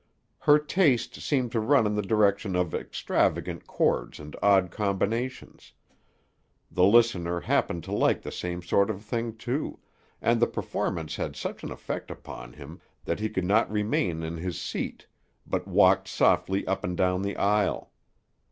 Her taste seemed to run in the direction of extravagant chords and odd combinations; the listener happened to like the same sort of thing, too, and the performance had such an effect upon him that he could not remain in his seat, but walked softly up and down the aisle.